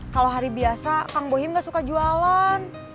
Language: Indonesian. kalau hari biasa kang bohim gak suka jualan